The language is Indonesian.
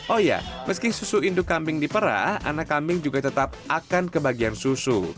oh ya meski susu induk kambing diperah anak kambing juga tetap akan kebagian susu